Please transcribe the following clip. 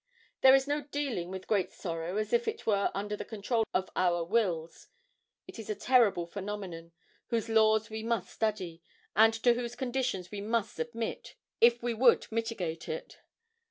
There is no dealing with great sorrow as if it were under the control of our wills. It is a terrible phenomenon, whose laws we must study, and to whose conditions we must submit, if we would mitigate it.